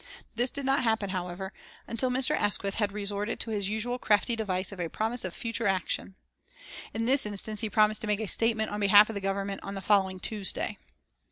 This did not happen, however, until Mr. Asquith had resorted to his usual crafty device of a promise of future action. In this instance he promised to make a statement on behalf of the Government on the following Tuesday.